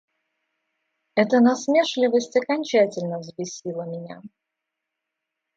Эта насмешливость окончательно взбесила меня.